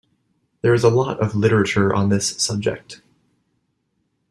There is a lot of Literature on this subject.